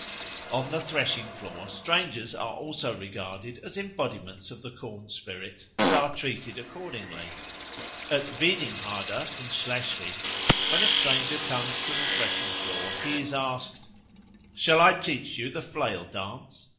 On the threshing floor strangers are also regarded as embodiments of the corn spirit, and are treated accordingly. At Wiedingharde in Schleswig when a stranger comes to the threshing floor he is asked, "Shall I teach you the flail dance?"